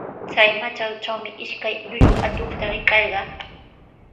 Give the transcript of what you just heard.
Chay matraytraqmi ishkay llullu atuqta rikarqaa.